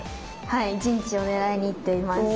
はい陣地を狙いにいっています。